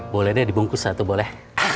boleh deh dibungkus atau boleh